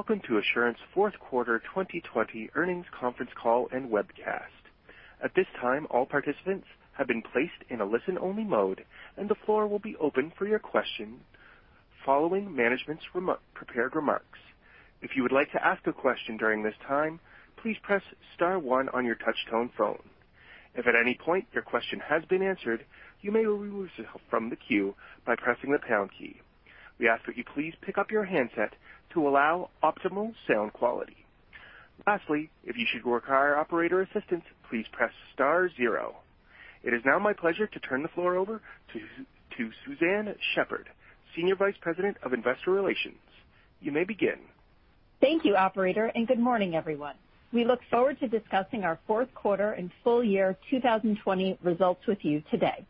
Welcome to Assurant's Fourth Quarter 2020 Earnings Conference Call and Webcast. At this time, all participants have been placed in a listen-only mode, and the floor will be open for your questions following management's prepared remarks. If you would like to ask a question during this time, please press star one on your touch-tone phone. If at any point the question has been answered, you may remove it from the queue by pressing the pound key. You have to please pick up your hand set to allow optimal sound quality. Lastly, if you should require operator assistance, please press star zero. It is now my pleasure to turn the floor over to Suzanne Shepherd, Senior Vice President of Investor Relations. You may begin. Thank you, operator. Good morning, everyone. We look forward to discussing our fourth quarter and full year 2020 results with you today.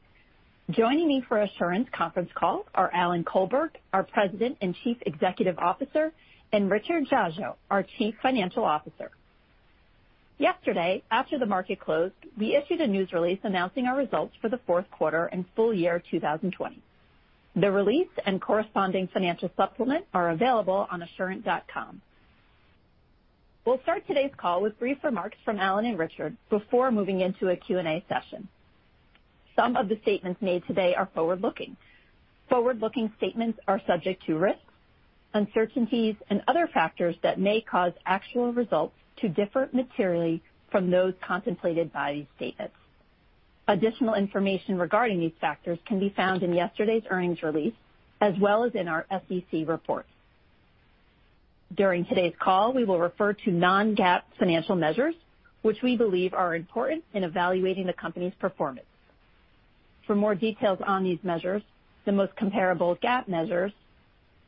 Joining me for Assurant conference call are Alan Colberg, our President and Chief Executive Officer, and Richard Dziadzio, our Chief Financial Officer. Yesterday, after the market closed, we issued a news release announcing our results for the fourth quarter and full year 2020. The release and corresponding financial supplement are available on assurant.com. We'll start today's call with brief remarks from Alan and Richard before moving into a Q&A session. Some of the statements made today are forward-looking. Forward-looking statements are subject to risks, uncertainties, and other factors that may cause actual results to differ materially from those contemplated by these statements. Additional information regarding these factors can be found in yesterday's earnings release, as well as in our SEC reports. During today's call, we will refer to non-GAAP financial measures, which we believe are important in evaluating the company's performance. For more details on these measures, the most comparable GAAP measures,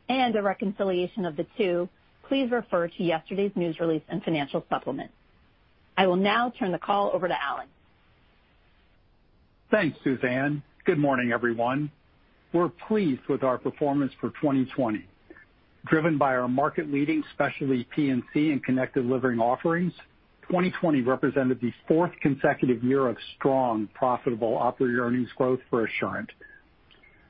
and a reconciliation of the two, please refer to yesterday's news release and financial supplement. I will now turn the call over to Alan. Thanks, Suzanne. Good morning, everyone. We're pleased with our performance for 2020. Driven by our market-leading specialty P&C and Connected Living offerings, 2020 represented the fourth consecutive year of strong, profitable operating earnings growth for Assurant.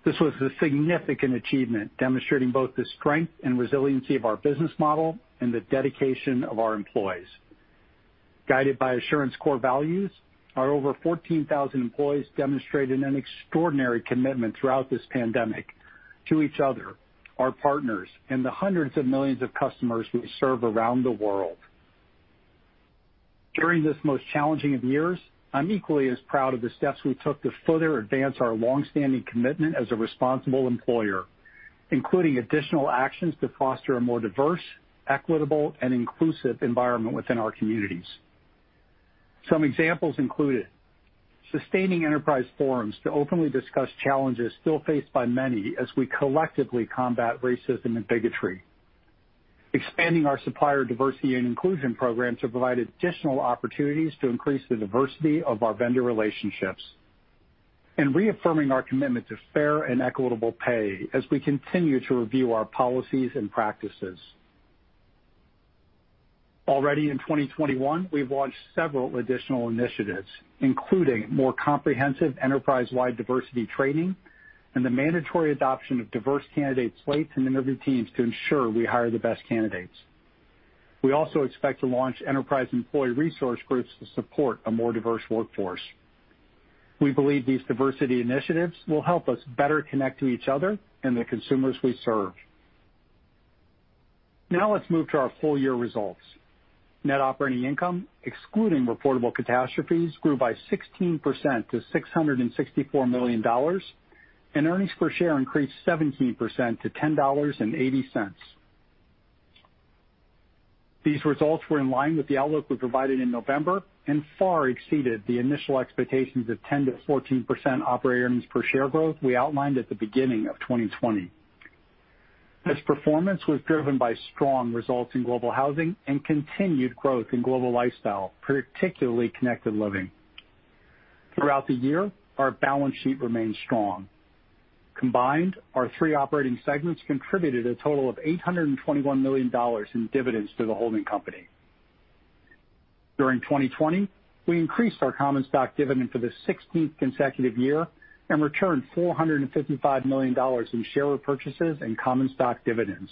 This was a significant achievement, demonstrating both the strength and resiliency of our business model and the dedication of our employees. Guided by Assurant's core values, our over 14,000 employees demonstrated an extraordinary commitment throughout this pandemic to each other, our partners, and the hundreds of millions of customers we serve around the world. During this most challenging of years, I'm equally as proud of the steps we took to further advance our longstanding commitment as a responsible employer, including additional actions to foster a more diverse, equitable, and inclusive environment within our communities. Some examples included sustaining enterprise forums to openly discuss challenges still faced by many as we collectively combat racism and bigotry, expanding our supplier diversity and inclusion program to provide additional opportunities to increase the diversity of our vendor relationships, and reaffirming our commitment to fair and equitable pay as we continue to review our policies and practices. Already in 2021, we've launched several additional initiatives, including more comprehensive enterprise-wide diversity training and the mandatory adoption of diverse candidate slates and interview teams to ensure we hire the best candidates. We also expect to launch enterprise employee resource groups to support a more diverse workforce. We believe these diversity initiatives will help us better connect to each other and the consumers we serve. Let's move to our full-year results. Net operating income, excluding reportable catastrophes, grew by 16% to $664 million, and earnings per share increased 17% to $10.80. These results were in line with the outlook we provided in November and far exceeded the initial expectations of 10%-14% operating earnings per share growth we outlined at the beginning of 2020. This performance was driven by strong results in Global Housing and continued growth in Global Lifestyle, particularly Connected Living. Throughout the year, our balance sheet remained strong. Combined, our three operating segments contributed a total of $821 million in dividends to the holding company. During 2020, we increased our common stock dividend for the 16th consecutive year and returned $455 million in shareholder purchases and common stock dividends.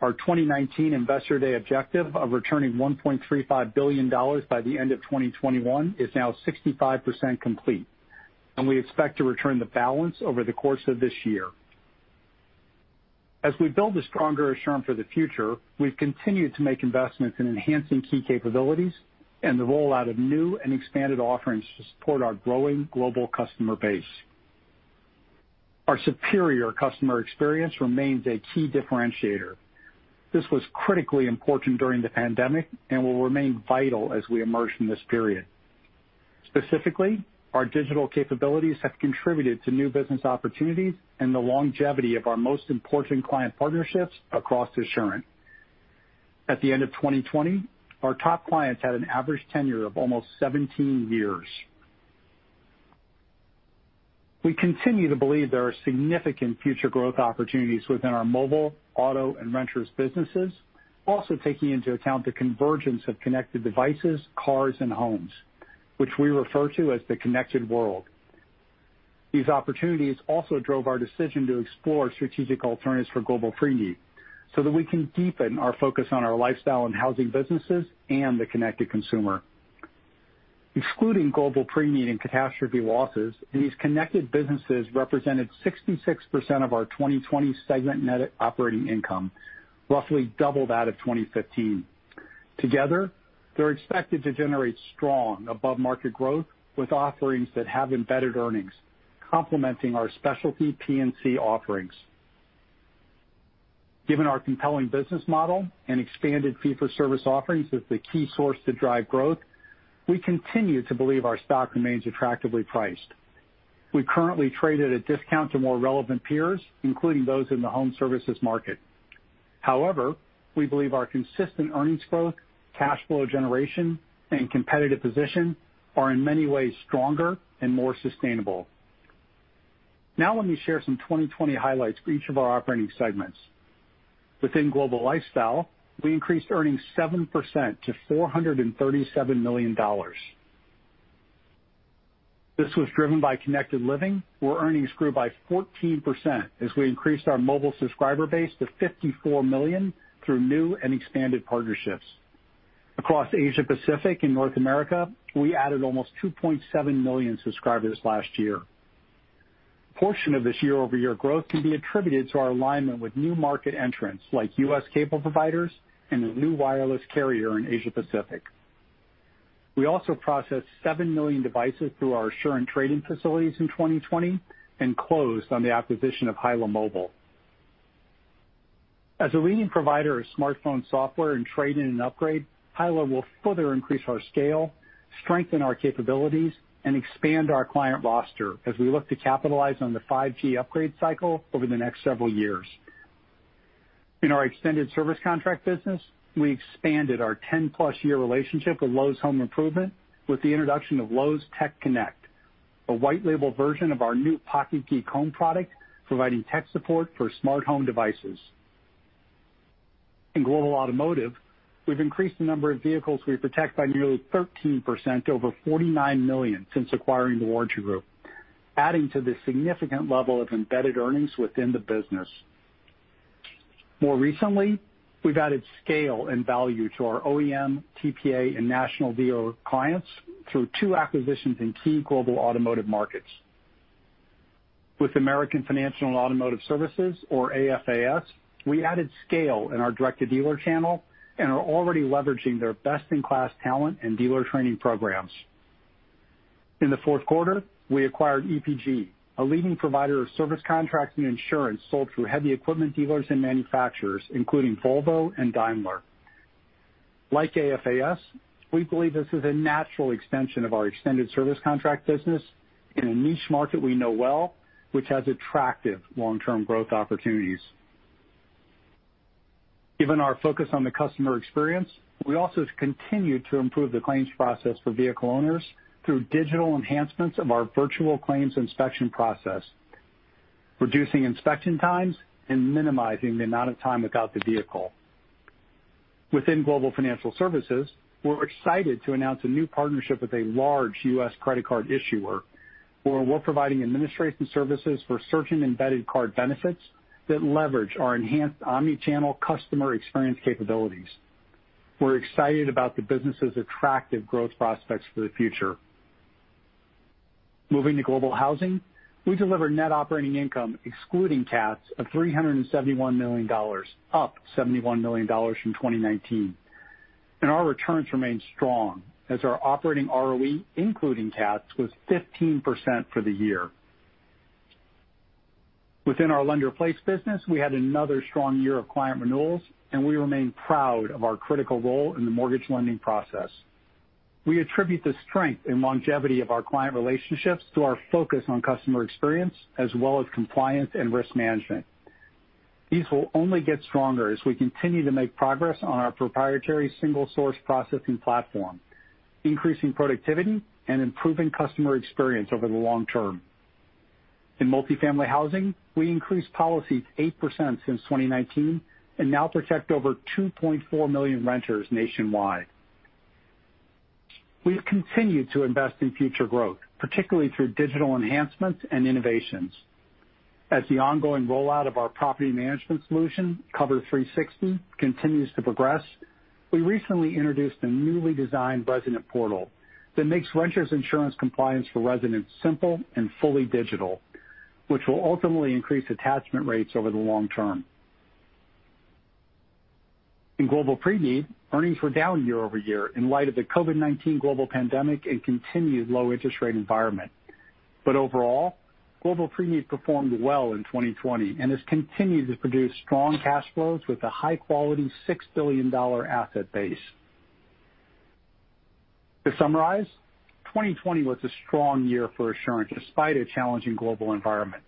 Our 2019 Investor Day objective of returning $1.35 billion by the end of 2021 is now 65% complete, and we expect to return the balance over the course of this year. As we build a stronger Assurant for the future, we've continued to make investments in enhancing key capabilities and the rollout of new and expanded offerings to support our growing global customer base. Our superior customer experience remains a key differentiator. This was critically important during the pandemic and will remain vital as we emerge from this period. Specifically, our digital capabilities have contributed to new business opportunities and the longevity of our most important client partnerships across Assurant. At the end of 2020, our top clients had an average tenure of almost 17 years. We continue to believe there are significant future growth opportunities within our mobile, auto, and renters businesses, also taking into account the convergence of connected devices, cars, and homes, which we refer to as the connected world. These opportunities also drove our decision to explore strategic alternatives for Global Preneed so that we can deepen our focus on our Lifestyle and Housing businesses and the connected consumer. Excluding Global Preneed and catastrophe losses, these connected businesses represented 66% of our 2020 segment net operating income, roughly double that of 2015. Together, they're expected to generate strong above-market growth with offerings that have embedded earnings, complementing our specialty P&C offerings. Given our compelling business model and expanded fee-for-service offerings as the key source to drive growth, we continue to believe our stock remains attractively priced. We currently trade at a discount to more relevant peers, including those in the home services market. However, we believe our consistent earnings growth, cash flow generation, and competitive position are in many ways stronger and more sustainable. Now let me share some 2020 highlights for each of our operating segments. Within Global Lifestyle, we increased earnings 7% to $437 million. This was driven by Connected Living, where earnings grew by 14% as we increased our mobile subscriber base to 54 million through new and expanded partnerships. Across Asia Pacific and North America, we added almost 2.7 million subscribers last year. A portion of this year-over-year growth can be attributed to our alignment with new market entrants like U.S. cable providers and a new wireless carrier in Asia Pacific. We also processed 7 million devices through our Assurant trading facilities in 2020 and closed on the acquisition of HYLA Mobile. As a leading provider of smartphone software and trade-in and upgrade, HYLA will further increase our scale, strengthen our capabilities, and expand our client roster as we look to capitalize on the 5G upgrade cycle over the next several years. In our extended service contract business, we expanded our 10+ year relationship with Lowe's Home Improvement with the introduction of Lowe's TechConnect, a white label version of our new Pocket Geek Home product, providing tech support for smart home devices. In Global Automotive, we've increased the number of vehicles we protect by nearly 13%, over 49 million since acquiring The Warranty Group, adding to the significant level of embedded earnings within the business. More recently, we've added scale and value to our OEM, TPA, and national dealer clients through two acquisitions in key Global Automotive markets. With American Financial & Automotive Services, or AFAS, we added scale in our direct-to-dealer channel and are already leveraging their best-in-class talent and dealer training programs. In the fourth quarter, we acquired EPG, a leading provider of service contracts and insurance sold through heavy equipment dealers and manufacturers, including Volvo and Daimler. Like AFAS, we believe this is a natural extension of our extended service contract business in a niche market we know well, which has attractive long-term growth opportunities. Given our focus on the customer experience, we also have continued to improve the claims process for vehicle owners through digital enhancements of our virtual claims inspection process, reducing inspection times and minimizing the amount of time without the vehicle. Within Global Financial Services, we're excited to announce a new partnership with a large U.S. credit card issuer, where we're providing administration services for certain embedded card benefits that leverage our enhanced omnichannel customer experience capabilities. We're excited about the business's attractive growth prospects for the future. Moving to Global Housing, we delivered net operating income excluding CATs of $371 million, up $71 million from 2019. Our returns remain strong as our operating ROE including CATs was 15% for the year. Within our lender-placed business, we had another strong year of client renewals, and we remain proud of our critical role in the mortgage lending process. We attribute the strength and longevity of our client relationships to our focus on customer experience as well as compliance and risk management. These will only get stronger as we continue to make progress on our proprietary single-source processing platform, increasing productivity and improving customer experience over the long term. In multifamily housing, we increased policies 8% since 2019 and now protect over 2.4 million renters nationwide. We've continued to invest in future growth, particularly through digital enhancements and innovations. As the ongoing rollout of our property management solution, Cover360, continues to progress, we recently introduced a newly designed resident portal that makes renters insurance compliance for residents simple and fully digital, which will ultimately increase attachment rates over the long term. In Global Preneed, earnings were down year-over-year in light of the COVID-19 global pandemic and continued low interest rate environment. Overall, Global Preneed performed well in 2020 and has continued to produce strong cash flows with a high-quality $6 billion asset base. To summarize, 2020 was a strong year for Assurant despite a challenging global environment.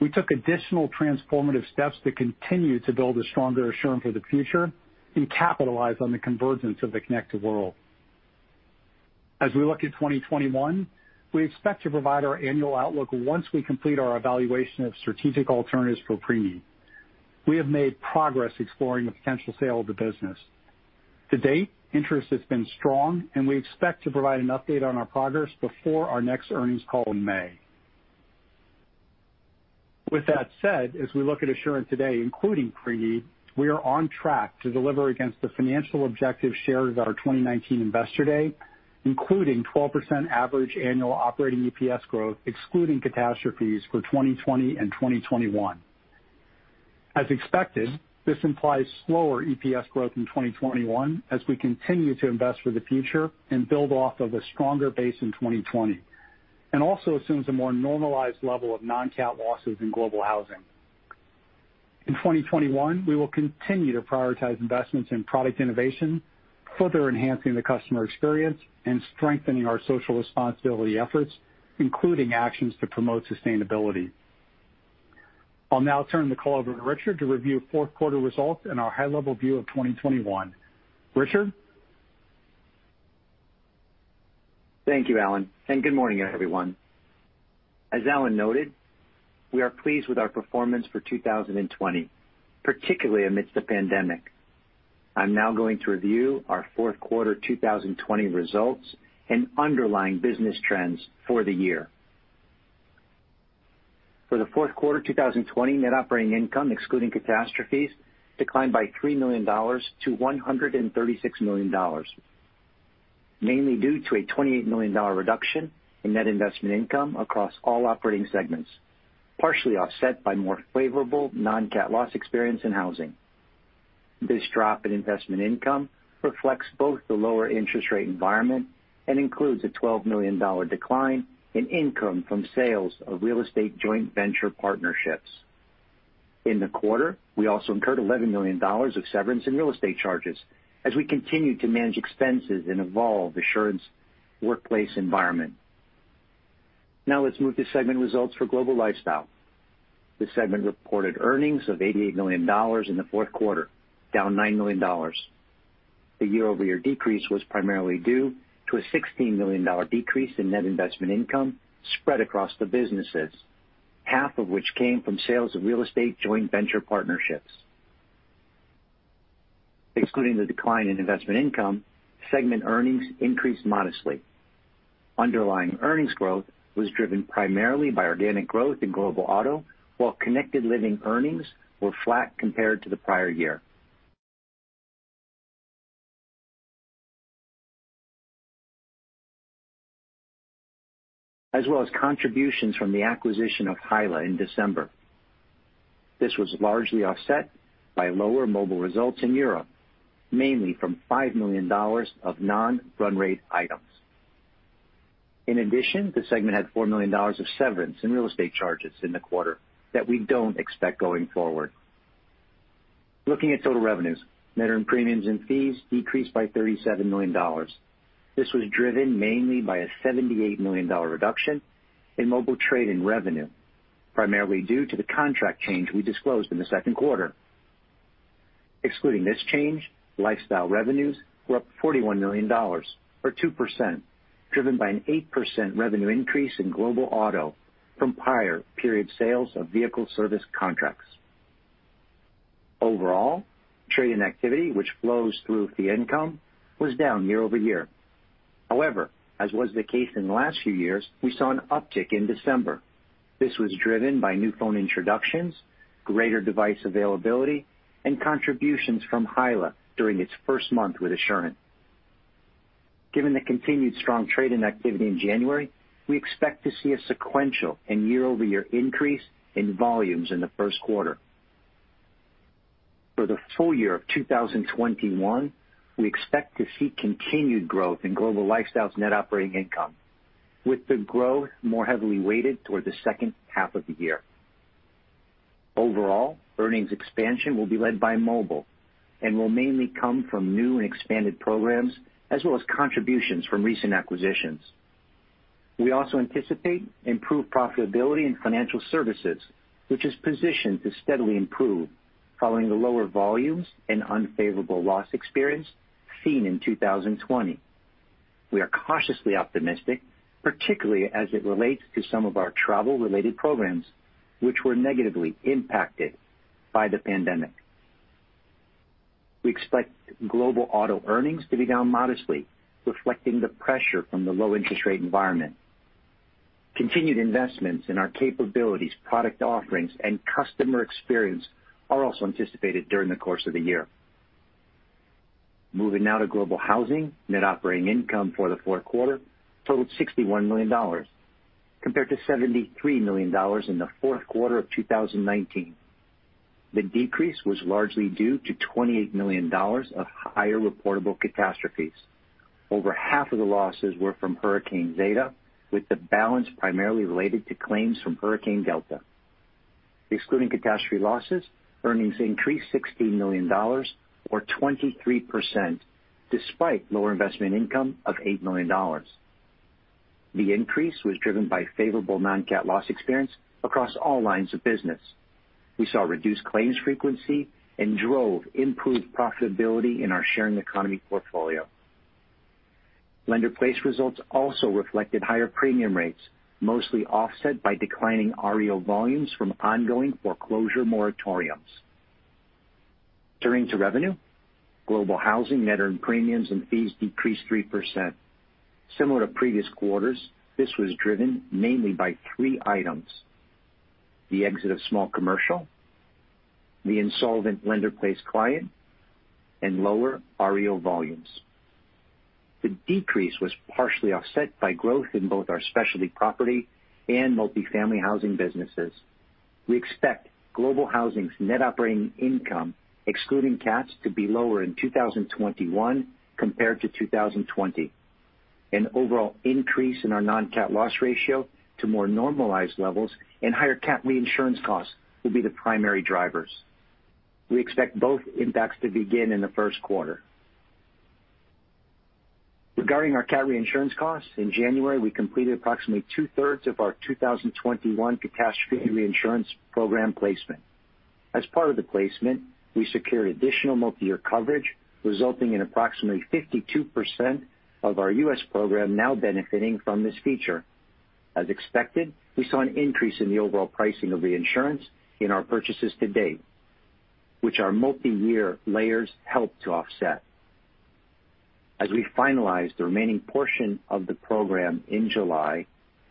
We took additional transformative steps to continue to build a stronger Assurant for the future and capitalize on the convergence of the connected world. As we look at 2021, we expect to provide our annual outlook once we complete our evaluation of strategic alternatives for Preneed. We have made progress exploring the potential sale of the business. To date, interest has been strong, and we expect to provide an update on our progress before our next earnings call in May. With that said, as we look at Assurant today, including Preneed, we are on track to deliver against the financial objectives shared at our 2019 Investor Day, including 12% average annual operating EPS growth, excluding catastrophes for 2020 and 2021. As expected, this implies slower EPS growth in 2021 as we continue to invest for the future and build off of a stronger base in 2020 and also assumes a more normalized level of non-CAT losses in Global Housing. In 2021, we will continue to prioritize investments in product innovation, further enhancing the customer experience and strengthening our social responsibility efforts, including actions to promote sustainability. I'll now turn the call over to Richard to review fourth quarter results and our high-level view of 2021. Richard? Thank you, Alan, and good morning, everyone. As Alan noted, we are pleased with our performance for 2020, particularly amidst the pandemic. I'm now going to review our fourth quarter 2020 results and underlying business trends for the year. For the fourth quarter 2020, net operating income, excluding catastrophes, declined by $3 million to $136 million, mainly due to a $28 million reduction in net investment income across all operating segments, partially offset by more favorable non-CAT loss experience in housing. This drop in investment income reflects both the lower interest rate environment and includes a $12 million decline in income from sales of real estate joint venture partnerships. In the quarter, we also incurred $11 million of severance and real estate charges as we continued to manage expenses and evolve Assurant's workplace environment. Now let's move to segment results for Global Lifestyle. The segment reported earnings of $88 million in the fourth quarter, down $9 million. The year-over-year decrease was primarily due to a $16 million decrease in net investment income spread across the businesses, half of which came from sales of real estate joint venture partnerships. Excluding the decline in investment income, segment earnings increased modestly. Underlying earnings growth was driven primarily by organic growth in Global Auto, while Connected Living earnings were flat compared to the prior year, as well as contributions from the acquisition of HYLA in December. This was largely offset by lower mobile results in Europe, mainly from $5 million of non-run rate items. In addition, the segment had $4 million of severance and real estate charges in the quarter that we don't expect going forward. Looking at total revenues, net earned premiums and fees decreased by $37 million. This was driven mainly by a $78 million reduction in mobile trade and revenue, primarily due to the contract change we disclosed in the second quarter. Excluding this change, Lifestyle revenues were up $41 million, or 2%, driven by an 8% revenue increase in Global Automotive from prior period sales of vehicle service contracts. Overall, trade and activity, which flows through fee income, was down year-over-year. As was the case in the last few years, we saw an uptick in December. This was driven by new phone introductions, greater device availability, and contributions from HYLA during its first month with Assurant. Given the continued strong trade and activity in January, we expect to see a sequential and year-over-year increase in volumes in the first quarter. For the full year of 2021, we expect to see continued growth in Global Lifestyle's net operating income, with the growth more heavily weighted towards the second half of the year. Overall, earnings expansion will be led by mobile and will mainly come from new and expanded programs, as well as contributions from recent acquisitions. We also anticipate improved profitability in financial services, which is positioned to steadily improve following the lower volumes and unfavorable loss experience seen in 2020. We are cautiously optimistic, particularly as it relates to some of our travel-related programs, which were negatively impacted by the pandemic. We expect Global Auto earnings to be down modestly, reflecting the pressure from the low interest rate environment. Continued investments in our capabilities, product offerings, and customer experience are also anticipated during the course of the year. Moving now to Global Housing, net operating income for the fourth quarter totaled $61 million, compared to $73 million in the fourth quarter of 2019. The decrease was largely due to $28 million of higher reportable catastrophes. Over half of the losses were from Hurricane Zeta, with the balance primarily related to claims from Hurricane Delta. Excluding catastrophe losses, earnings increased $16 million, or 23%, despite lower investment income of $8 million. The increase was driven by favorable non-CAT loss experience across all lines of business. We saw reduced claims frequency and drove improved profitability in our sharing economy portfolio. Lender-placed results also reflected higher premium rates, mostly offset by declining REO volumes from ongoing foreclosure moratoriums. Turning to revenue, Global Housing net earned premiums and fees decreased 3%. Similar to previous quarters, this was driven mainly by three items: the exit of small commercial, the insolvent lender-placed client, and lower REO volumes. The decrease was partially offset by growth in both our specialty property and multifamily housing businesses. We expect Global Housing's net operating income, excluding CATs, to be lower in 2021 compared to 2020. An overall increase in our non-CAT loss ratio to more normalized levels and higher CAT reinsurance costs will be the primary drivers. We expect both impacts to begin in the first quarter. Regarding our CAT reinsurance costs, in January, we completed approximately two-thirds of our 2021 catastrophe reinsurance program placement. As part of the placement, we secured additional multi-year coverage, resulting in approximately 52% of our U.S. program now benefiting from this feature. As expected, we saw an increase in the overall pricing of reinsurance in our purchases to date, which our multi-year layers helped to offset. As we finalize the remaining portion of the program in July,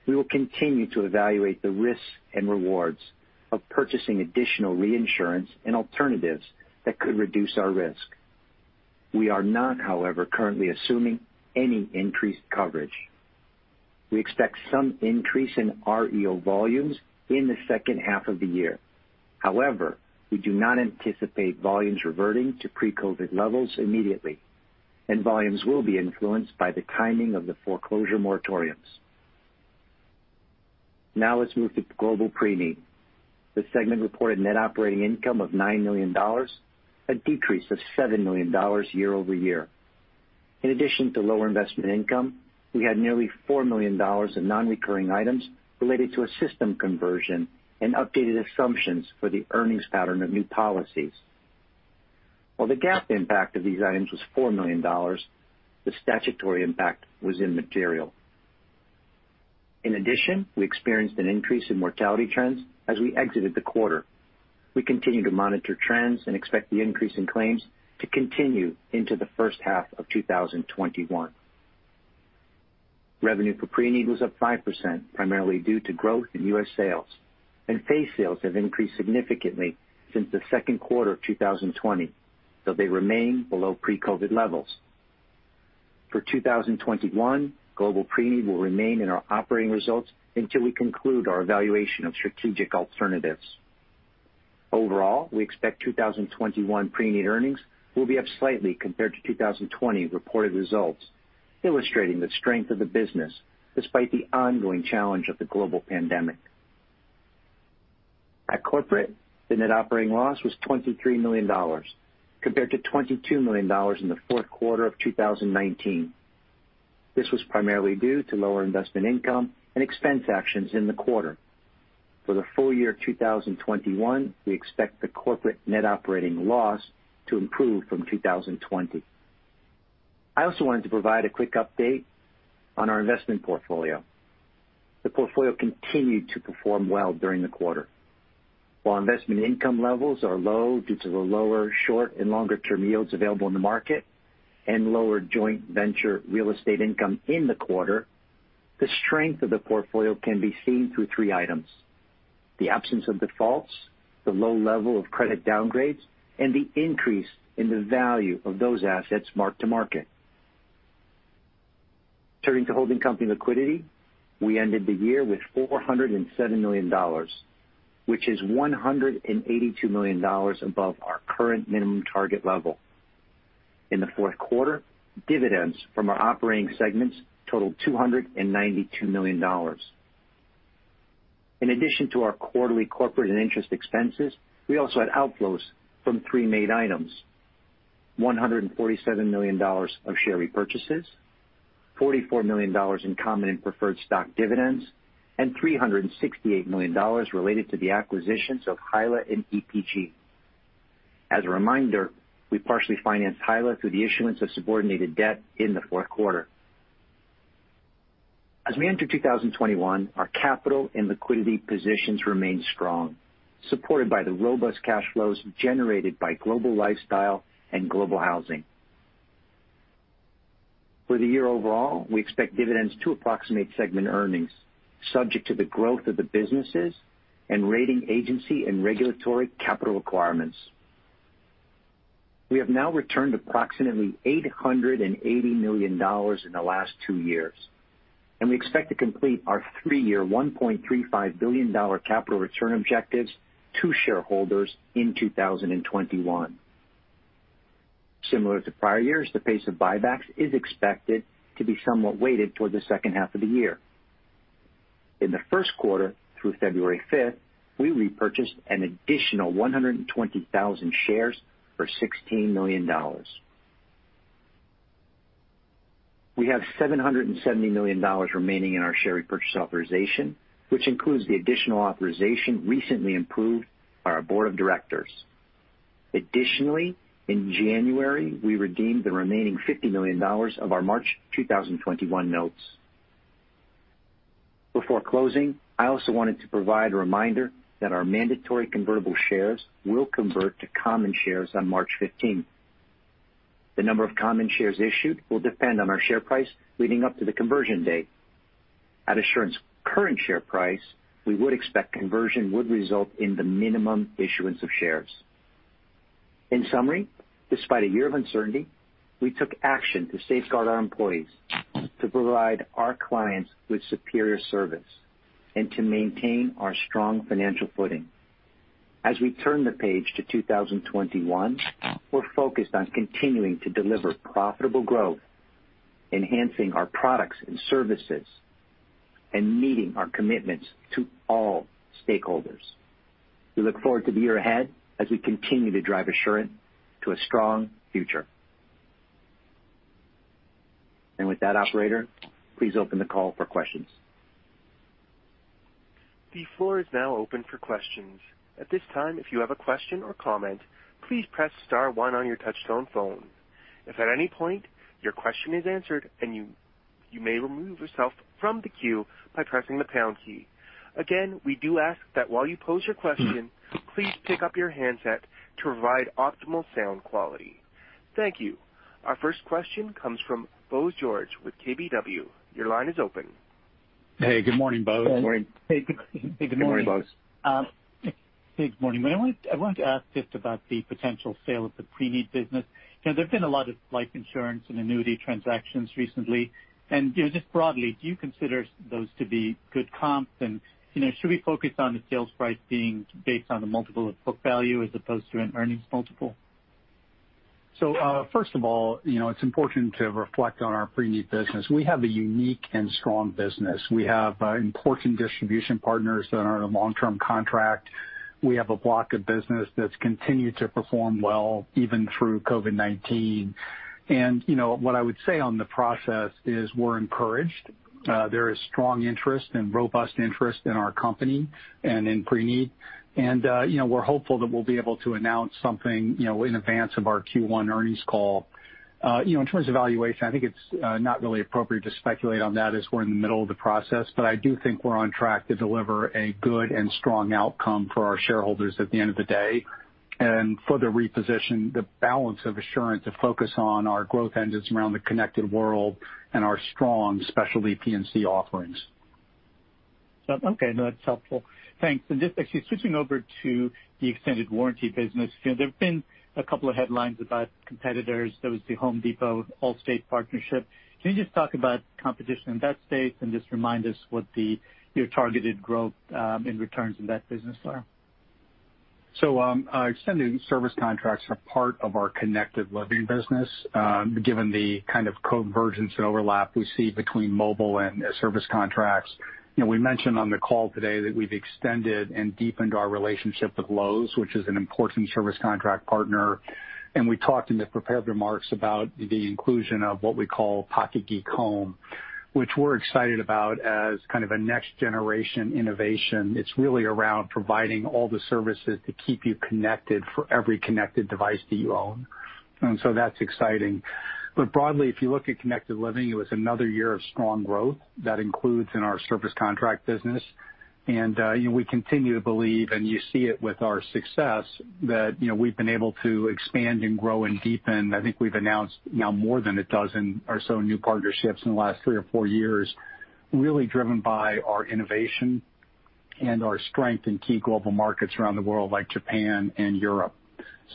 we will continue to evaluate the risks and rewards of purchasing additional reinsurance and alternatives that could reduce our risk. We are not, however, currently assuming any increased coverage. We expect some increase in REO volumes in the second half of the year. We do not anticipate volumes reverting to pre-COVID levels immediately, and volumes will be influenced by the timing of the foreclosure moratoriums. Now let's move to Global Preneed. The segment reported net operating income of $9 million, a decrease of $7 million year-over-year. In addition to lower investment income, we had nearly $4 million in non-recurring items related to a system conversion and updated assumptions for the earnings pattern of new policies. While the GAAP impact of these items was $4 million, the statutory impact was immaterial. In addition, we experienced an increase in mortality trends as we exited the quarter. We continue to monitor trends and expect the increase in claims to continue into the first half of 2021. Revenue for Preneed was up 5%, primarily due to growth in U.S. sales. Face sales have increased significantly since the second quarter of 2020, though they remain below pre-COVID levels. For 2021, Global Preneed will remain in our operating results until we conclude our evaluation of strategic alternatives. Overall, we expect 2021 Preneed earnings will be up slightly compared to 2020 reported results, illustrating the strength of the business despite the ongoing challenge of the global pandemic. At Corporate, the net operating loss was $23 million compared to $22 million in the fourth quarter of 2019. This was primarily due to lower investment income and expense actions in the quarter. For the full year 2021, we expect the Corporate net operating loss to improve from 2020. I also wanted to provide a quick update on our investment portfolio. The portfolio continued to perform well during the quarter. While investment income levels are low due to the lower short- and longer-term yields available in the market and lower joint venture real estate income in the quarter, the strength of the portfolio can be seen through three items: the absence of defaults, the low level of credit downgrades, and the increase in the value of those assets mark-to-market. Turning to holding company liquidity, we ended the year with $407 million, which is $182 million above our current minimum target level. In the fourth quarter, dividends from our operating segments totaled $292 million. In addition to our quarterly corporate and interest expenses, we also had outflows from Preneed items, $147 million of share repurchases, $44 million in common and preferred stock dividends, and $368 million related to the acquisitions of HYLA and EPG. As a reminder, we partially financed HYLA through the issuance of subordinated debt in the fourth quarter. As we enter 2021, our capital and liquidity positions remain strong, supported by the robust cash flows generated by Global Lifestyle and Global Housing. For the year overall, we expect dividends to approximate segment earnings, subject to the growth of the businesses and rating agency and regulatory capital requirements. We have now returned approximately $880 million in the last two years, and we expect to complete our three-year $1.35 billion capital return objectives to shareholders in 2021. Similar to prior years, the pace of buybacks is expected to be somewhat weighted towards the second half of the year. In the first quarter through February 5th, we repurchased an additional 120,000 shares for $16 million. We have $770 million remaining in our share repurchase authorization, which includes the additional authorization recently approved by our board of directors. Additionally, in January, we redeemed the remaining $50 million of our March 2021 notes. Before closing, I also wanted to provide a reminder that our mandatory convertible shares will convert to common shares on March 15th. The number of common shares issued will depend on our share price leading up to the conversion date. At Assurant's current share price, we would expect conversion would result in the minimum issuance of shares. In summary, despite a year of uncertainty, we took action to safeguard our employees, to provide our clients with superior service, and to maintain our strong financial footing. As we turn the page to 2021, we're focused on continuing to deliver profitable growth, enhancing our products and services, and meeting our commitments to all stakeholders. We look forward to the year ahead as we continue to drive Assurant to a strong future. With that, operator, please open the call for questions. The floor is now open for questions. At this time, if you have a question or comment, please press star one on your touch-tone phone. If at any point your question is answered, you may remove yourself from the queue by pressing the pound key. Again, we do ask that while you pose your question, please pick up your handset to provide optimal sound quality. Thank you. Our first question comes from Bose George with KBW. Your line is open. Hey. Good morning, Bose. Hey. Good morning. Good morning, Bose. Hey. Good morning. I wanted to ask just about the potential sale of the Preneed business. There've been a lot of life insurance and annuity transactions recently, and just broadly, do you consider those to be good comps, and should we focus on the sales price being based on the multiple of book value as opposed to an earnings multiple? First of all, it's important to reflect on our Preneed business. We have a unique and strong business. We have important distribution partners that are on a long-term contract. We have a block of business that's continued to perform well even through COVID-19. What I would say on the process is we're encouraged. There is strong interest and robust interest in our company and in Preneed. We're hopeful that we'll be able to announce something in advance of our Q1 earnings call. In terms of valuation, I think it's not really appropriate to speculate on that as we're in the middle of the process. I do think we're on track to deliver a good and strong outcome for our shareholders at the end of the day and further reposition the balance of Assurant to focus on our growth engines around the connected world and our strong specialty P&C offerings. Okay. No, that's helpful. Thanks. Just actually switching over to the extended warranty business, there've been a couple of headlines about competitors. There was The Home Depot-Allstate partnership. Can you just talk about competition in that space and just remind us what your targeted growth in returns in that business are? Extended service contracts are part of our Connected Living business, given the kind of convergence and overlap we see between mobile and service contracts. We mentioned on the call today that we've extended and deepened our relationship with Lowe's, which is an important service contract partner, and we talked in the prepared remarks about the inclusion of what we call Pocket Geek Home, which we're excited about as kind of a next generation innovation. It's really around providing all the services to keep you connected for every connected device that you own. That's exciting. Broadly, if you look at Connected Living, it was another year of strong growth that includes in our service contract business. We continue to believe, and you see it with our success, that we've been able to expand and grow and deepen. I think we've announced now more than a dozen or so new partnerships in the last three or four years, really driven by our innovation and our strength in key global markets around the world, like Japan and Europe.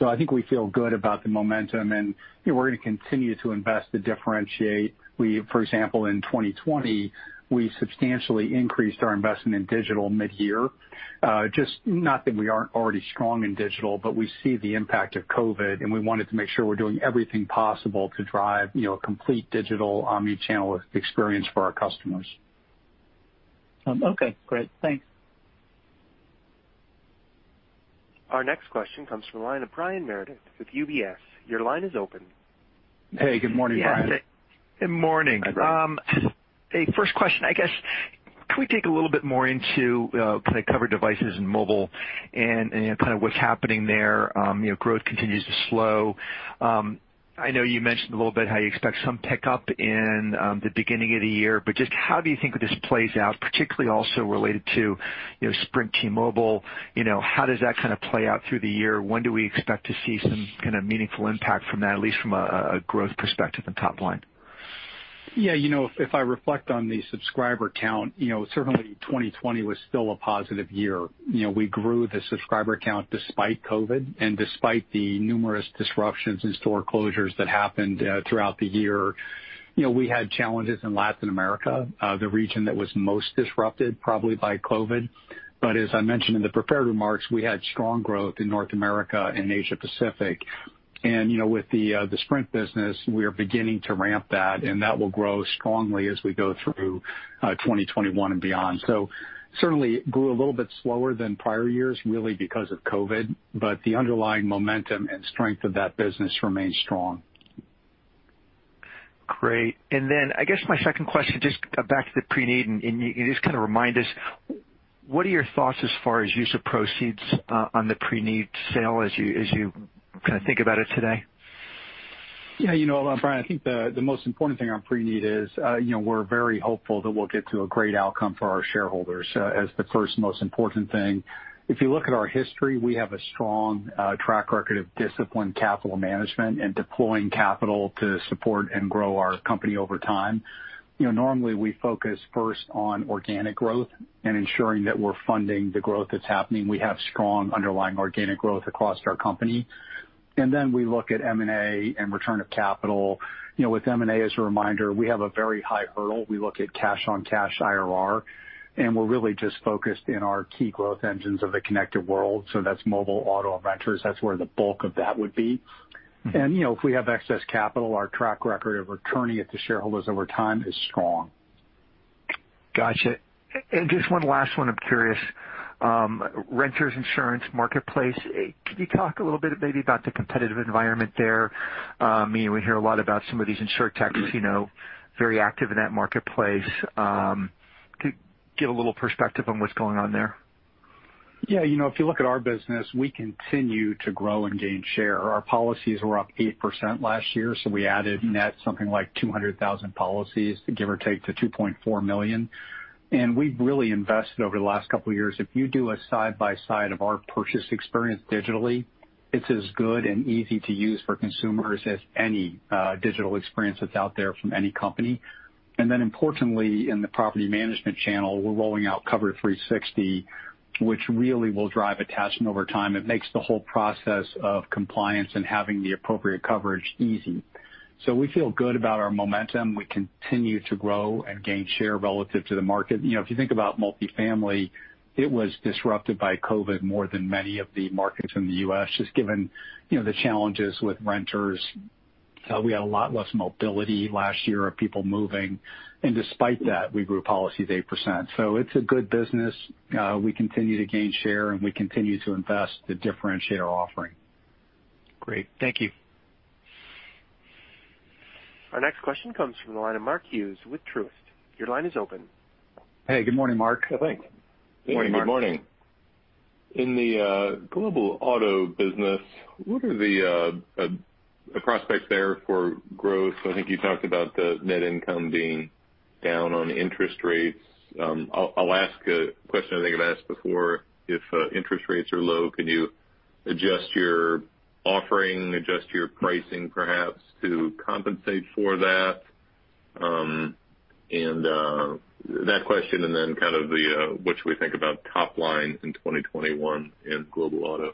I think we feel good about the momentum, and we're going to continue to invest to differentiate. We, for example, in 2020, we substantially increased our investment in digital mid-year. Just not that we aren't already strong in digital, but we see the impact of COVID-19, and we wanted to make sure we're doing everything possible to drive a complete digital omnichannel experience for our customers. Okay, great. Thanks. Our next question comes from the line of Brian Meredith with UBS. Your line is open. Hey, good morning, Brian. Good morning. Hi, Brian. Hey, first question, I guess, can we dig a little bit more into kind of covered devices and mobile and kind of what's happening there? Growth continues to slow. I know you mentioned a little bit how you expect some pickup in the beginning of the year. Just how do you think this plays out, particularly also related to Sprint T-Mobile? How does that kind of play out through the year? When do we expect to see some kind of meaningful impact from that, at least from a growth perspective and top line? Yeah. If I reflect on the subscriber count, certainly 2020 was still a positive year. We grew the subscriber count despite COVID and despite the numerous disruptions and store closures that happened throughout the year. We had challenges in Latin America, the region that was most disrupted probably by COVID. As I mentioned in the prepared remarks, we had strong growth in North America and Asia Pacific. With the Sprint business, we are beginning to ramp that, and that will grow strongly as we go through 2021 and beyond. Certainly it grew a little bit slower than prior years, really because of COVID, but the underlying momentum and strength of that business remains strong. Great. I guess my second question, just back to the Preneed, and can you just kind of remind us, what are your thoughts as far as use of proceeds on the Preneed sale as you kind of think about it today? Yeah, Brian, I think the most important thing on Preneed is we're very hopeful that we'll get to a great outcome for our shareholders as the first, most important thing. If you look at our history, we have a strong track record of disciplined capital management and deploying capital to support and grow our company over time. Normally, we focus first on organic growth and ensuring that we're funding the growth that's happening. We have strong underlying organic growth across our company. Then we look at M&A and return of capital. With M&A, as a reminder, we have a very high hurdle. We look at cash-on-cash IRR, and we're really just focused in our key growth engines of the connected world. That's mobile, auto, and renters. That's where the bulk of that would be. If we have excess capital, our track record of returning it to shareholders over time is strong. Got you. Just one last one. I'm curious, renters' insurance marketplace, could you talk a little bit maybe about the competitive environment there? We hear a lot about some of these insurtechs, very active in that marketplace. Could you give a little perspective on what's going on there? If you look at our business, we continue to grow and gain share. Our policies were up 8% last year, so we added net something like 200,000 policies, give or take, to 2.4 million. We've really invested over the last couple of years. If you do a side-by-side of our purchase experience digitally, it's as good and easy to use for consumers as any digital experience that's out there from any company. Importantly, in the property management channel, we're rolling out Cover360, which really will drive attachment over time. It makes the whole process of compliance and having the appropriate coverage easy. We feel good about our momentum. We continue to grow and gain share relative to the market. If you think about multifamily, it was disrupted by COVID more than many of the markets in the U.S., just given the challenges with renters. We had a lot less mobility last year of people moving. Despite that, we grew policies 8%. It's a good business. We continue to gain share, and we continue to invest to differentiate our offering. Great. Thank you. Our next question comes from the line of Mark Hughes with Truist. Your line is open. Hey, good morning, Mark. Morning, Mark. Good morning. In the Global Automotive business, what are the prospects there for growth? I think you talked about the net income being down on interest rates. I'll ask a question I think I've asked before. If interest rates are low, can you adjust your offering, adjust your pricing perhaps to compensate for that? That question, what should we think about top line in 2021 in Global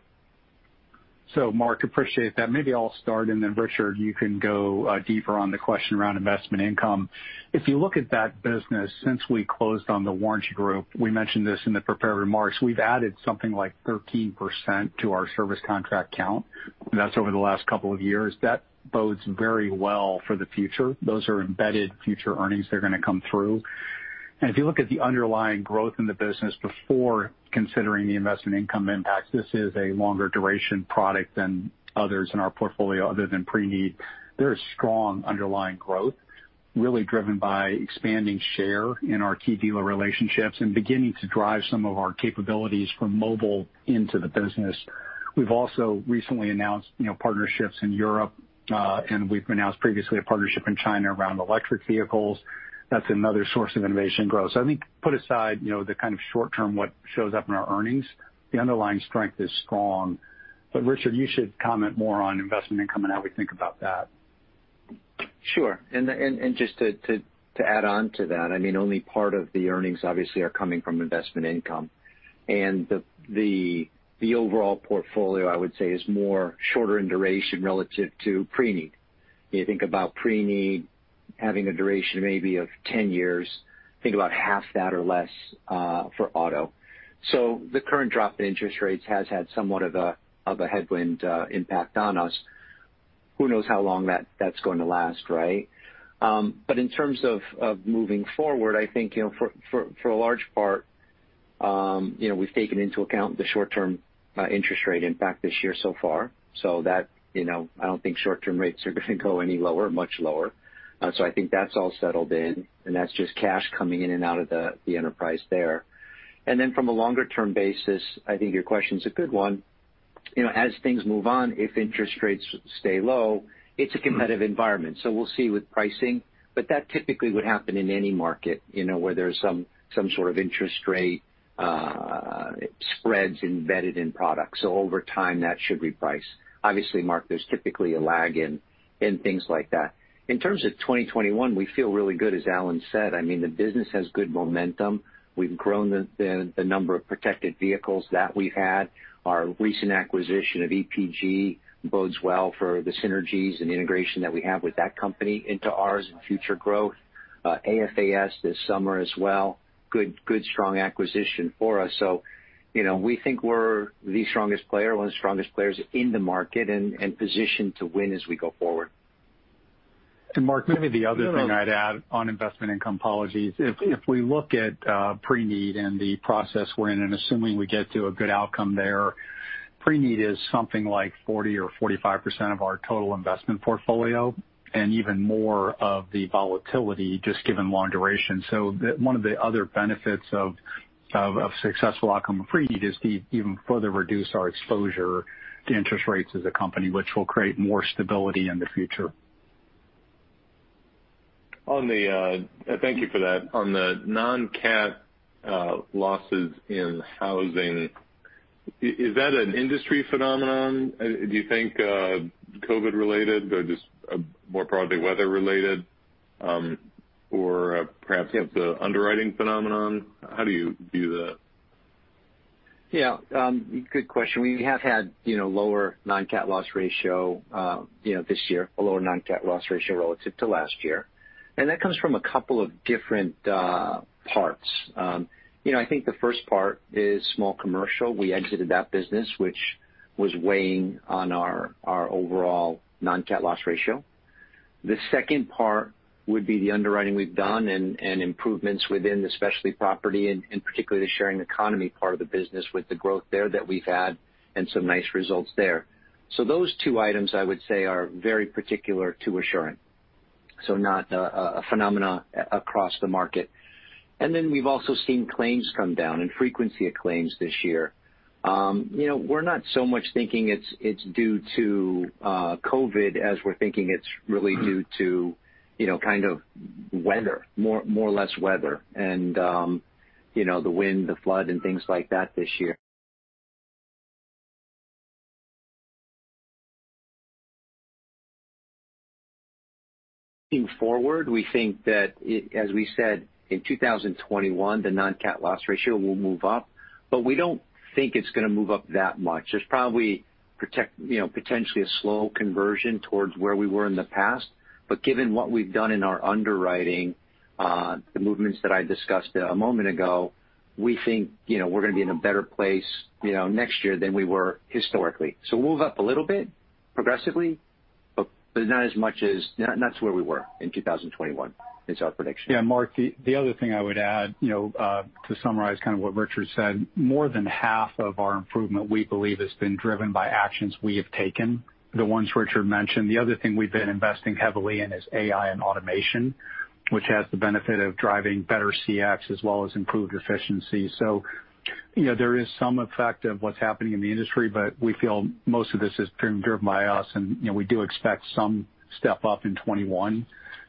Automotive? Mark, appreciate that. Maybe I'll start, and then Richard, you can go deeper on the question around investment income. If you look at that business since we closed on The Warranty Group, we mentioned this in the prepared remarks, we've added something like 13% to our service contract count. That's over the last couple of years. That bodes very well for the future. Those are embedded future earnings that are going to come through. If you look at the underlying growth in the business before considering the investment income impact, this is a longer duration product than others in our portfolio other than Preneed. There is strong underlying growth, really driven by expanding share in our key dealer relationships and beginning to drive some of our capabilities from mobile into the business. We've also recently announced partnerships in Europe, and we've announced previously a partnership in China around electric vehicles. That's another source of innovation growth. I think put aside the kind of short term, what shows up in our earnings, the underlying strength is strong. Richard, you should comment more on investment income and how we think about that. Sure. Just to add on to that, only part of the earnings obviously are coming from investment income. The overall portfolio, I would say, is more shorter in duration relative to Preneed. You think about Preneed having a duration maybe of 10 years, think about half that or less for auto. The current drop in interest rates has had somewhat of a headwind impact on us. Who knows how long that's going to last, right? In terms of moving forward, I think, for a large part, we've taken into account the short-term interest rate impact this year so far. I don't think short-term rates are going to go any lower, much lower. I think that's all settled in, and that's just cash coming in and out of the enterprise there. From a longer-term basis, I think your question's a good one. As things move on, if interest rates stay low, it's a competitive environment. We'll see with pricing. That typically would happen in any market where there's some sort of interest rate spreads embedded in products. Over time, that should reprice. Obviously, Mark, there's typically a lag in things like that. In terms of 2021, we feel really good, as Alan said. The business has good momentum. We've grown the number of protected vehicles that we've had. Our recent acquisition of EPG bodes well for the synergies and integration that we have with that company into ours and future growth. AFAS this summer as well, good, strong acquisition for us. We think we're the strongest player, one of the strongest players in the market and positioned to win as we go forward. Mark, maybe the other thing I'd add on investment income policies, if we look at Preneed and the process we're in, and assuming we get to a good outcome there, Preneed is something like 40% or 45% of our total investment portfolio, and even more of the volatility, just given long duration. One of the other benefits of successful outcome of Preneed is to even further reduce our exposure to interest rates as a company, which will create more stability in the future. Thank you for that. On the non-CAT losses in housing, is that an industry phenomenon? Do you think COVID related or just more broadly weather related or perhaps the underwriting phenomenon? How do you view that? Yeah. Good question. We have had lower non-CAT loss ratio this year, a lower non-CAT loss ratio relative to last year. That comes from a couple of different parts. I think the first part is small commercial. We exited that business, which was weighing on our overall non-CAT loss ratio. The second part would be the underwriting we've done and improvements within the specialty property and particularly the sharing economy part of the business with the growth there that we've had and some nice results there. Those two items, I would say, are very particular to Assurant, so not a phenomena across the market. We've also seen claims come down and frequency of claims this year. We're not so much thinking it's due to COVID, as we're thinking it's really due to weather, more or less weather and the wind, the flood, and things like that this year. Looking forward, we think that, as we said, in 2021, the non-CAT loss ratio will move up, but we don't think it's going to move up that much. There's probably potentially a slow conversion towards where we were in the past, but given what we've done in our underwriting, the movements that I discussed a moment ago, we think we're going to be in a better place next year than we were historically. Move up a little bit progressively, but not as much as where we were in 2021 is our prediction. Yeah, Mark, the other thing I would add to summarize what Richard said, more than half of our improvement, we believe, has been driven by actions we have taken, the ones Richard mentioned. The other thing we've been investing heavily in is AI and automation, which has the benefit of driving better CX as well as improved efficiency. There is some effect of what's happening in the industry, but we feel most of this is driven by us, and we do expect some step up in 2021,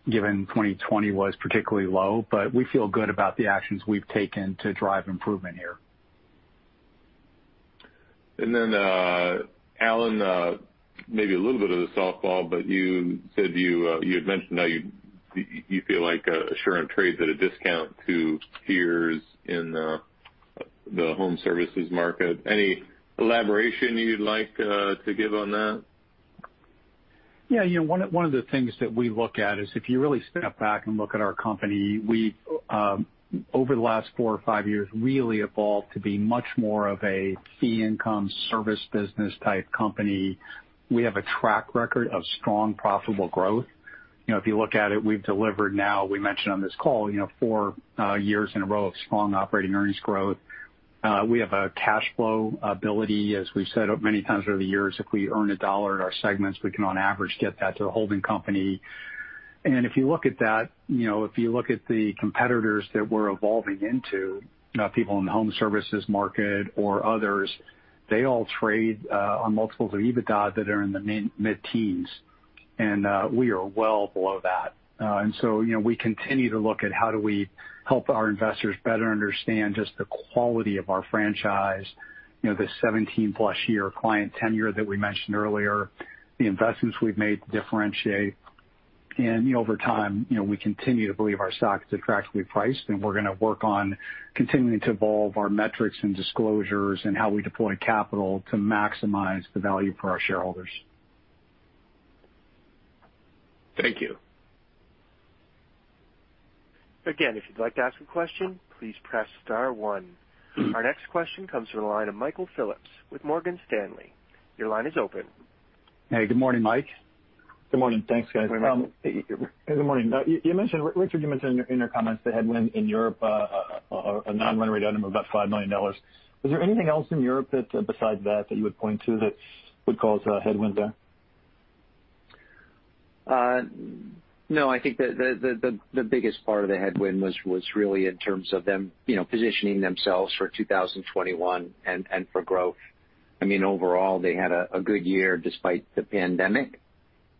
given 2020 was particularly low. We feel good about the actions we've taken to drive improvement here. Alan, maybe a little bit of the softball, but you had mentioned how you feel like Assurant trades at a discount to peers in the home services market. Any elaboration you'd like to give on that? Yeah. One of the things that we look at is if you really step back and look at our company, we, over the last four or five years, really evolved to be much more of a fee income service business type company. We have a track record of strong, profitable growth. If you look at it, we've delivered now, we mentioned on this call, four years in a row of strong operating earnings growth. We have a cash flow ability, as we've said many times over the years. If we earn a dollar at our segments, we can, on average, get that to the holding company. If you look at that, if you look at the competitors that we're evolving into, people in the home services market or others, they all trade on multiples of EBITDA that are in the mid-teens, and we are well below that. We continue to look at how do we help our investors better understand just the quality of our franchise, the 17+ year client tenure that we mentioned earlier, the investments we've made to differentiate. Over time, we continue to believe our stock is attractively priced, and we're going to work on continuing to evolve our metrics and disclosures and how we deploy capital to maximize the value for our shareholders. Thank you. Again, if you'd like to ask a question, please press star one. Our next question comes from the line of Michael Phillips with Morgan Stanley. Your line is open. Hey, good morning, Mike. Good morning. Thanks, guys. Good morning. Richard, you mentioned in your comments the headwind in Europe, a non-recurring item of about $5 million. Is there anything else in Europe besides that that you would point to that would cause a headwind there? No, I think the biggest part of the headwind was really in terms of them positioning themselves for 2021 and for growth. Overall, they had a good year despite the pandemic,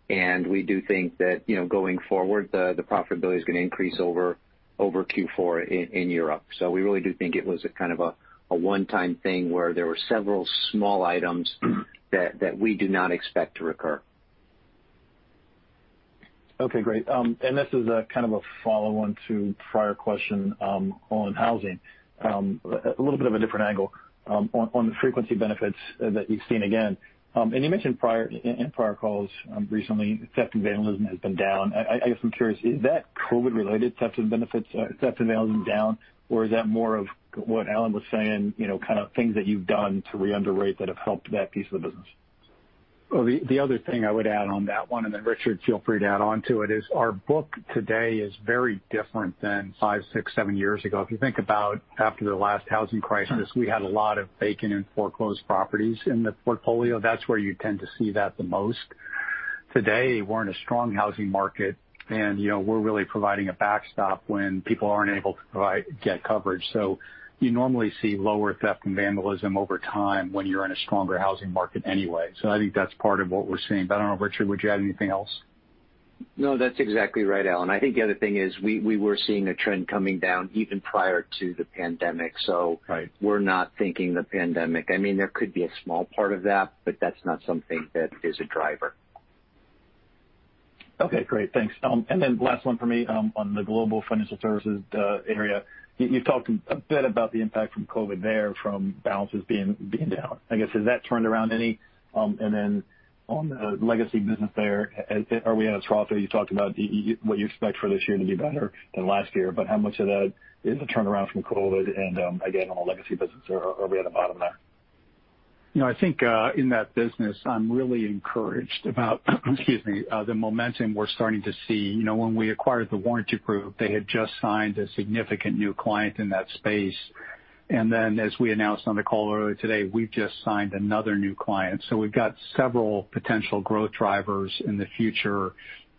and we do think that going forward, the profitability is going to increase over Q4 in Europe. We really do think it was a one-time thing where there were several small items that we do not expect to recur. Okay, great. This is a follow-on to a prior question on housing. A little bit of a different angle on the frequency benefits that you've seen again. You mentioned in prior calls recently, theft and vandalism has been down. I guess I'm curious, is that COVID related, theft and vandalism down, or is that more of what Alan was saying, things that you've done to re-underwrite that have helped that piece of the business? Well, the other thing I would add on that one, and then Richard, feel free to add onto it, is our book today is very different than five, six, seven years ago. If you think about after the last housing crisis, we had a lot of vacant and foreclosed properties in the portfolio. That's where you tend to see that the most. Today, we're in a strong housing market, and we're really providing a backstop when people aren't able to get coverage. You normally see lower theft and vandalism over time when you're in a stronger housing market anyway. I think that's part of what we're seeing. I don't know, Richard, would you add anything else? No, that's exactly right, Alan. I think the other thing is we were seeing a trend coming down even prior to the pandemic. Right. We're not thinking the pandemic. There could be a small part of that, but that's not something that is a driver. Okay, great. Thanks. Last one from me, on the Global Financial Services area, you talked a bit about the impact from COVID there, from balances being down. I guess, has that turned around any? On the legacy business there, are we at a trough? You talked about what you expect for this year to be better than last year, but how much of that is a turnaround from COVID-19? Again, on the legacy business, are we at a bottom there? I think, in that business, I'm really encouraged about excuse me, the momentum we're starting to see. When we acquired The Warranty Group, they had just signed a significant new client in that space. As we announced on the call earlier today, we've just signed another new client. We've got several potential growth drivers in the future.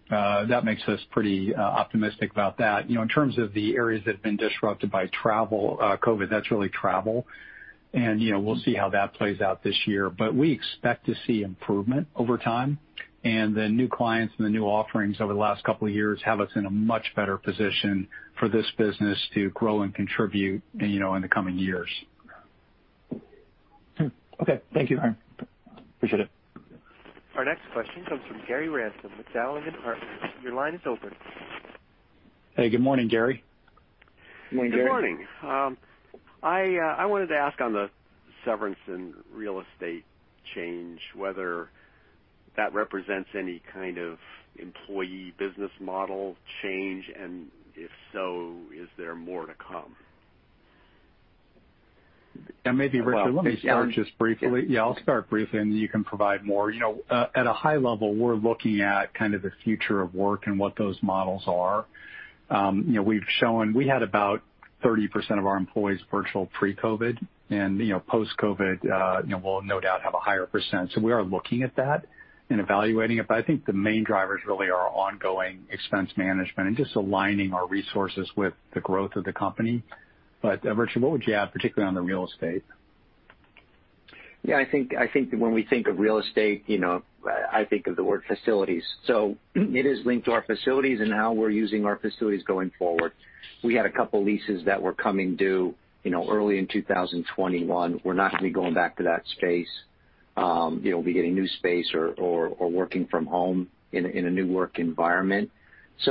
That makes us pretty optimistic about that. In terms of the areas that have been disrupted by COVID, that's really travel. We'll see how that plays out this year. We expect to see improvement over time, and the new clients and the new offerings over the last couple of years have us in a much better position for this business to grow and contribute in the coming years. Okay. Thank you. Appreciate it. Our next question comes from Gary Ransom with Dowling & Partners. Your line is open. Hey, good morning, Gary. Good morning, Gary. Good morning. I wanted to ask on the severance and real estate change, whether that represents any kind of employee business model change, and if so, is there more to come? Yeah, maybe, Richard, let me start just briefly. Yeah, I'll start briefly, and you can provide more. At a high level, we're looking at kind of the future of work and what those models are. We've shown we had about 30% of our employees virtual pre-COVID, and post-COVID, we'll no doubt have a higher percent. We are looking at that and evaluating it. I think the main drivers really are ongoing expense management and just aligning our resources with the growth of the company. Richard, what would you add, particularly on the real estate? Yeah, I think when we think of real estate, I think of the word facilities. It is linked to our facilities and how we're using our facilities going forward. We had a couple leases that were coming due early in 2021. We're not going to be going back to that space. We'll be getting new space or working from home in a new work environment.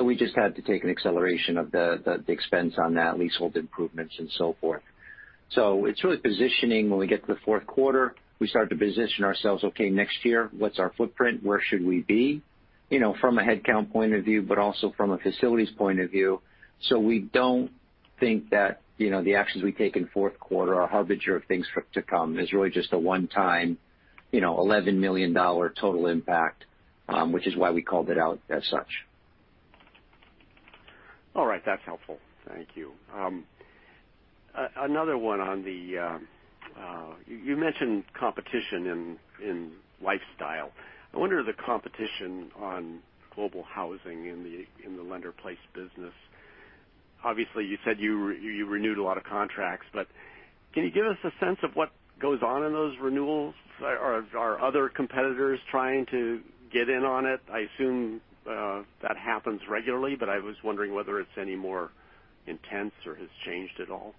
We just had to take an acceleration of the expense on that leasehold improvements and so forth. It's really positioning when we get to the fourth quarter, we start to position ourselves, okay, next year, what's our footprint? Where should we be? From a headcount point of view, but also from a facilities point of view. We don't think that the actions we take in fourth quarter are a harbinger of things to come. It's really just a one-time $11 million total impact, which is why we called it out as such. All right. That's helpful. Thank you. Another one on the. You mentioned competition in Global Lifestyle. I wonder, the competition on Global Housing in the lender-placed business. Obviously, you said you renewed a lot of contracts, but can you give us a sense of what goes on in those renewals? Are other competitors trying to get in on it? I assume that happens regularly, but I was wondering whether it's any more intense or has changed at all.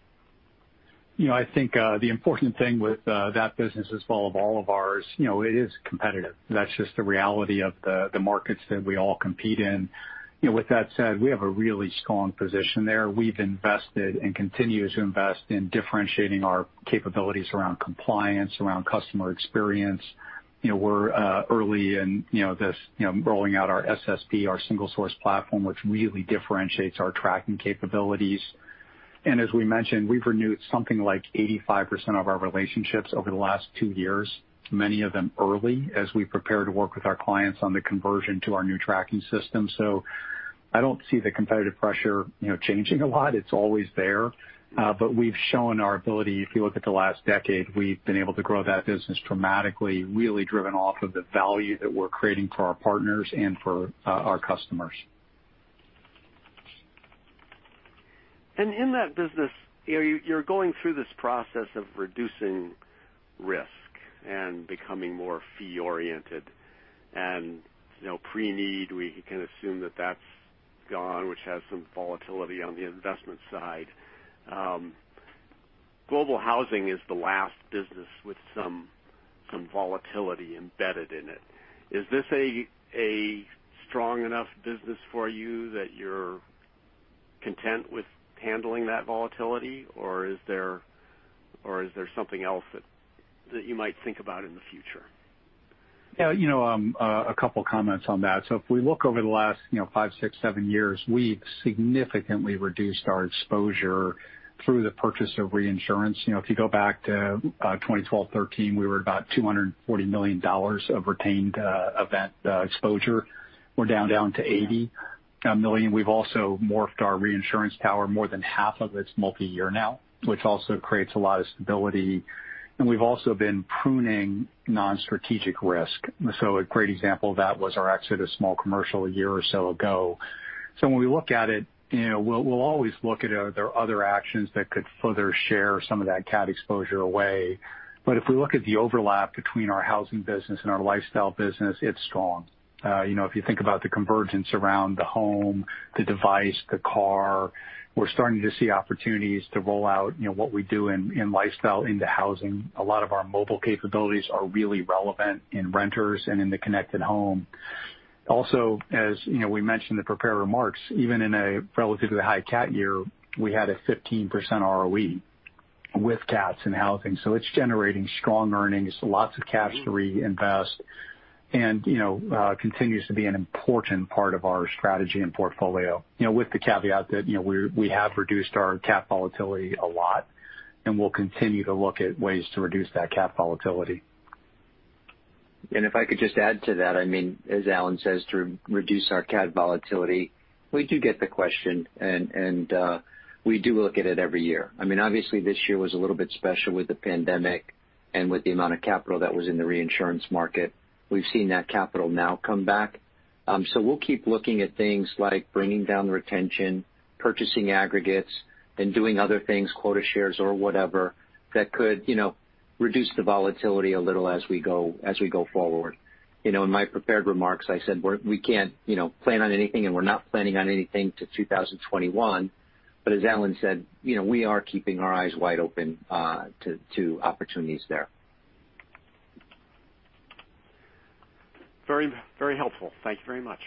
I think the important thing with that business, as well of all of ours, it is competitive. That's just the reality of the markets that we all compete in. With that said, we have a really strong position there. We've invested and continue to invest in differentiating our capabilities around compliance, around customer experience. We're early in rolling out our SSP, our single source platform, which really differentiates our tracking capabilities. As we mentioned, we've renewed something like 85% of our relationships over the last two years, many of them early as we prepare to work with our clients on the conversion to our new tracking system. I don't see the competitive pressure changing a lot. It's always there. We've shown our ability. If you look at the last decade, we've been able to grow that business dramatically, really driven off of the value that we're creating for our partners and for our customers. In that business, you're going through this process of reducing risk and becoming more fee-oriented. Preneed, we can assume that that's gone, which has some volatility on the investment side. Global Housing is the last business with some volatility embedded in it. Is this a strong enough business for you that you're content with handling that volatility, or is there something else that you might think about in the future? Yeah. A couple of comments on that. If we look over the last five, six, seven years, we've significantly reduced our exposure through the purchase of reinsurance. If you go back to 2012, 2013, we were about $240 million of retained event exposure. We're down to $80 million. We've also morphed our reinsurance tower, more than half of it's multi-year now, which also creates a lot of stability. We've also been pruning non-strategic risk. A great example of that was our exit of small commercial a year or so ago. When we look at it, we'll always look at are there other actions that could further share some of that CAT exposure away. If we look at the overlap between our housing business and our lifestyle business, it's strong. If you think about the convergence around the home, the device, the car, we're starting to see opportunities to roll out what we do in lifestyle into housing. A lot of our mobile capabilities are really relevant in renters and in the connected home. Also, as we mentioned in the prepared remarks, even in a relatively high CAT year, we had a 15% ROE with CATs and housing. It's generating strong earnings, lots of cash to reinvest and continues to be an important part of our strategy and portfolio. With the caveat that we have reduced our CAT volatility a lot, and we'll continue to look at ways to reduce that CAT volatility. If I could just add to that, as Alan says, to reduce our CAT volatility, we do get the question, and we do look at it every year. Obviously, this year was a little bit special with the pandemic and with the amount of capital that was in the reinsurance market. We've seen that capital now come back. We'll keep looking at things like bringing down the retention, purchasing aggregates, and doing other things, quota shares or whatever, that could reduce the volatility a little as we go forward. In my prepared remarks, I said we can't plan on anything, and we're not planning on anything to 2021. As Alan said, we are keeping our eyes wide open to opportunities there. Very helpful. Thank you very much.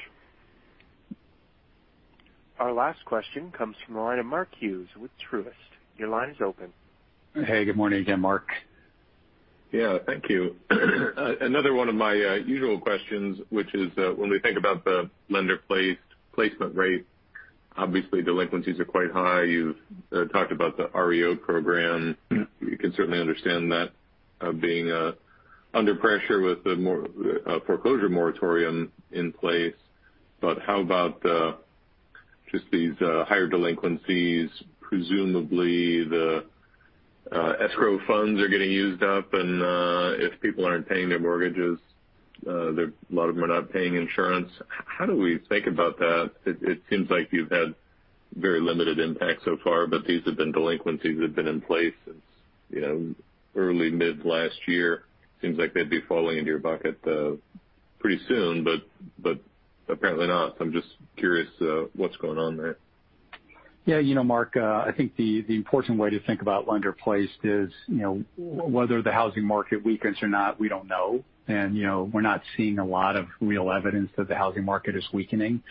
Our last question comes from the line of Mark Hughes with Truist. Your line is open. Hey, good morning again, Mark. Yeah, thank you. Another one of my usual questions, which is when we think about the lender placement rate, obviously delinquencies are quite high. You've talked about the REO program. We can certainly understand that being under pressure with the foreclosure moratorium in place. How about just these higher delinquencies? Presumably the escrow funds are getting used up and if people aren't paying their mortgages, a lot of them are not paying insurance. How do we think about that? It seems like you've had very limited impact so far, but these have been delinquencies that have been in place since early mid last year. Seems like they'd be falling into your bucket pretty soon, apparently not. I'm just curious what's going on there. Yeah, Mark, I think the important way to think about lender-placed is whether the housing market weakens or not, we don't know. We're not seeing a lot of real evidence that the housing market is weakening.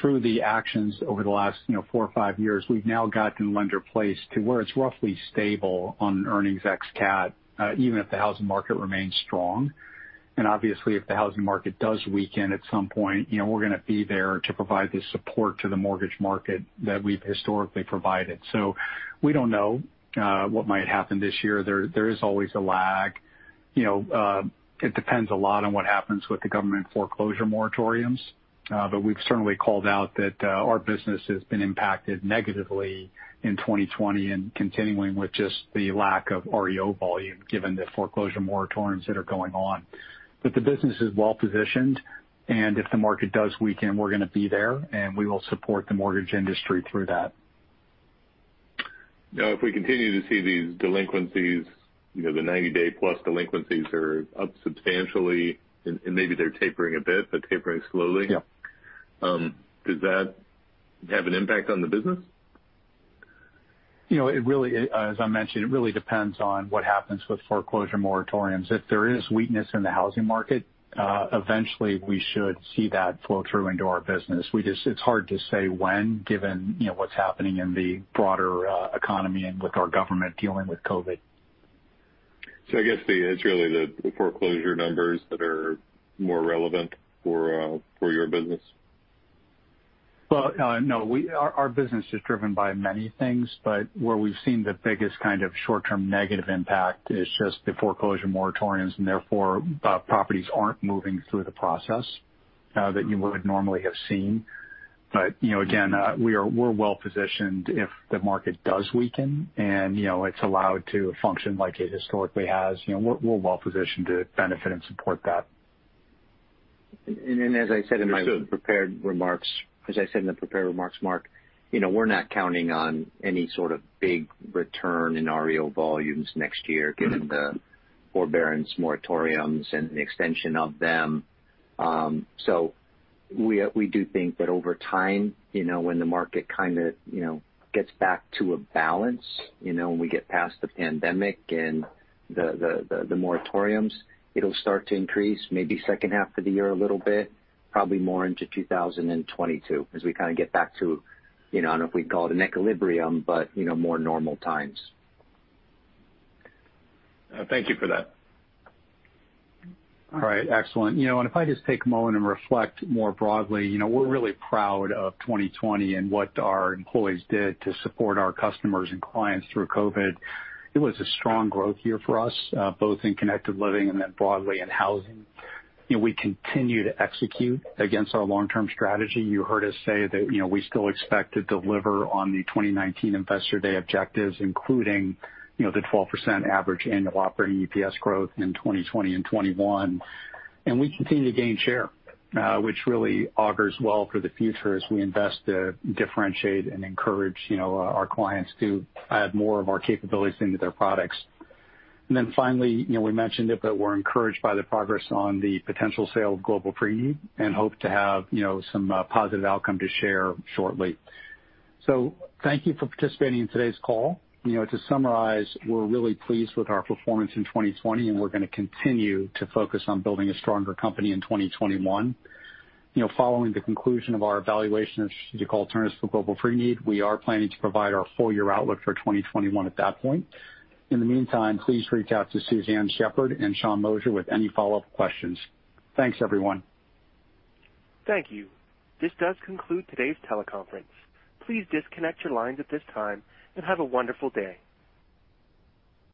Through the actions over the last four or five years, we've now gotten lender-placed to where it's roughly stable on earnings ex-CAT, even if the housing market remains strong. Obviously, if the housing market does weaken at some point, we're going to be there to provide the support to the mortgage market that we've historically provided. We don't know what might happen this year. There is always a lag. It depends a lot on what happens with the government foreclosure moratoriums. We've certainly called out that our business has been impacted negatively in 2020 and continuing with just the lack of REO volume given the foreclosure moratoriums that are going on. The business is well-positioned, and if the market does weaken, we're going to be there, and we will support the mortgage industry through that. Now, if we continue to see these delinquencies, the 90-day plus delinquencies are up substantially, and maybe they're tapering a bit, but tapering slowly. Yeah. Does that have an impact on the business? As I mentioned, it really depends on what happens with foreclosure moratoriums. If there is weakness in the housing market, eventually we should see that flow through into our business. It is hard to say when, given what is happening in the broader economy and with our government dealing with COVID. I guess it's really the foreclosure numbers that are more relevant for your business? Well, no. Our business is driven by many things, but where we've seen the biggest kind of short-term negative impact is just the foreclosure moratoriums, and therefore properties aren't moving through the process that you would normally have seen. Again, we're well-positioned if the market does weaken and it's allowed to function like it historically has. We're well-positioned to benefit and support that. As I said in my prepared remarks, Mark, we're not counting on any sort of big return in REO volumes next year given the forbearance moratoriums and the extension of them. We do think that over time, when the market kind of gets back to a balance, when we get past the pandemic and the moratoriums, it'll start to increase maybe second half of the year a little bit, probably more into 2022 as we kind of get back to, I don't know if we'd call it an equilibrium, but more normal times. Thank you for that. All right, excellent. If I just take a moment and reflect more broadly, we're really proud of 2020 and what our employees did to support our customers and clients through COVID. It was a strong growth year for us, both in Connected Living and then broadly in housing. We continue to execute against our long-term strategy. You heard us say that we still expect to deliver on the 2019 Investor Day objectives, including the 12% average annual operating EPS growth in 2020 and 2021. We continue to gain share, which really augurs well for the future as we invest to differentiate and encourage our clients to add more of our capabilities into their products. Then finally, we mentioned it, but we're encouraged by the progress on the potential sale of Global Preneed and hope to have some positive outcome to share shortly. Thank you for participating in today's call. To summarize, we're really pleased with our performance in 2020, and we're going to continue to focus on building a stronger company in 2021. Following the conclusion of our evaluation of strategic alternatives for Global Preneed, we are planning to provide our full-year outlook for 2021 at that point. In the meantime, please reach out to Suzanne Shepherd and Sean Moshier with any follow-up questions. Thanks, everyone. Thank you. This does conclude today's teleconference. Please disconnect your lines at this time and have a wonderful day.